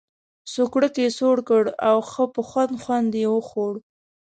سوکړک یې سوړ کړ او ښه په خوند خوند یې وخوړ.